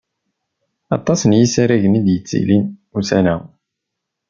Aṭas n yisaragen i d-yettilin ussan-a.